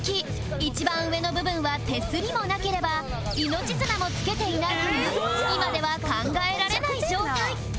一番上の部分は手すりもなければ命綱もつけていないという今では考えられない状態